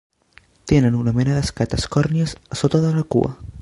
Tenen una mena d'escates còrnies a sota de la cua.